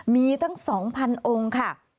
มีตั้ง๒๐๐องค์ค่ะ